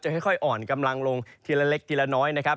ค่อยอ่อนกำลังลงทีละเล็กทีละน้อยนะครับ